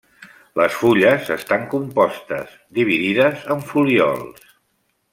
Les fulles estan compostes, dividides en folíols.